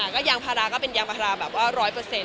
ก็ยางพาราก็เป็นยางพาราแบบว่า๑๐๐